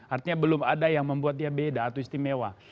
artinya belum ada yang membuatnya beda atau istimewa